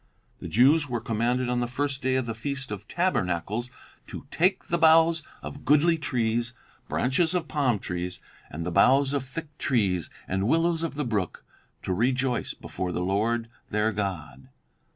The Jews were commanded on the first day of the feast of tabernacles to 'take the boughs of goodly trees, branches of palm trees, and the boughs of thick trees, and willows of the brook, to rejoice before the Lord their God.'